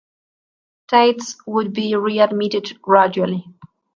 States would be readmitted gradually.